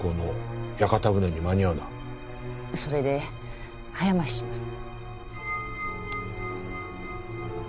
それで早回しします。